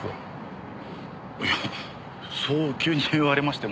いやそう急に言われましても。